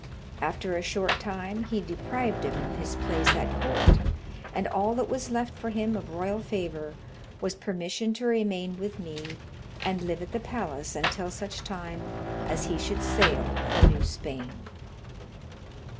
After a short time he deprived him of his place at court, and all that was left for him of royal favor was permission to remain with me and live at the palace until such time as he should sail for New Spain.